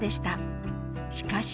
しかし。